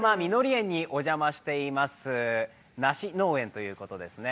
園にお邪魔しております梨農園ということですね。